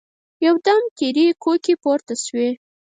يودم تېرې کوکې پورته شوې.